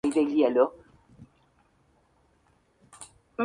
El resto de etiquetas asociadas al concepto se denominan etiquetas alternativas.